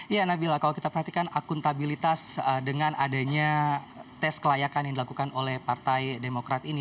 ya nabila kalau kita perhatikan akuntabilitas dengan adanya tes kelayakan yang dilakukan oleh partai demokrat ini